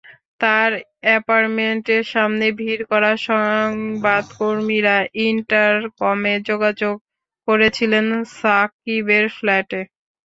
তাঁর অ্যাপার্টমেন্টের সামনে ভিড় করা সংবাদকর্মীরা ইন্টারকমে যোগাযোগ করেছিলেন সাকিবের ফ্ল্যাটে।